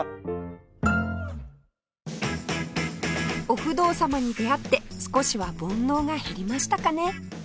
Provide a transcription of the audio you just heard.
お不動様に出会って少しは煩悩が減りましたかね